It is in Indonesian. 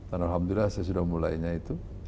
alhamdulillah saya sudah mulainya itu